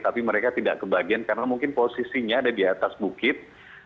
tapi mereka tidak kebagian karena mungkin posisinya ada di atas bukit